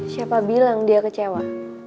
siapa bilang dia kecewa